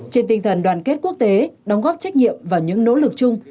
trên tinh thần đoàn kết quốc tế đóng góp trách nhiệm và những nỗ lực chung